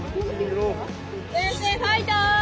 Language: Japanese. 先生ファイト！